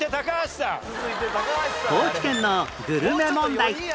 高知県のグルメ問題